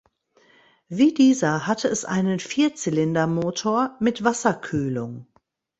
Wie dieser hatte es einen Vierzylindermotor mit Wasserkühlung.